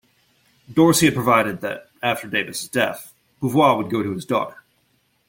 Dorsey had provided that, after Davis' death, Beauvoir would go to his daughter.